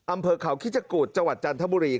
อำเภอเขาคิชกุฎจังหวัดจันทบุรี